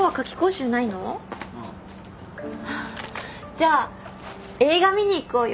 じゃあ映画見に行こうよ。